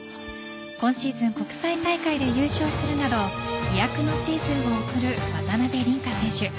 今シーズン国際大会で優勝するなど飛躍のシーズンを送る渡辺倫果選手。